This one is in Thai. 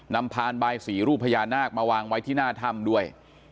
พานบายสีรูปพญานาคมาวางไว้ที่หน้าถ้ำด้วย